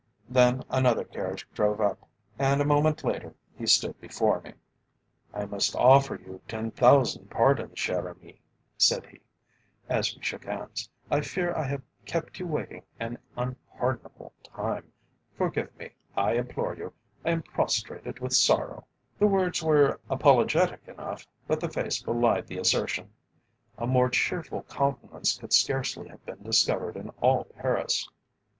Then another carriage drove up, and a moment later he stood before me. "I must offer you ten thousand pardons, cher ami," said he, as we shook hands. "I fear I have kept you waiting an unpardonable time. Forgive me, I implore you; I am prostrated with sorrow." The words were apologetic enough, but the face belied the assertion. A more cheerful countenance could scarcely have been discovered in all Paris.